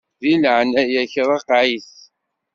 Di leɛnaya-k ṛeqqeɛ-it.